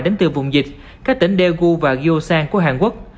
đến từ vùng dịch các tỉnh daegu và gyosan của hàn quốc